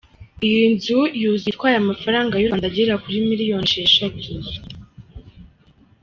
Iyi nzu yuzuye itwaye amafaranga y’u Rwanda agera kuri miliyoni esheshatu.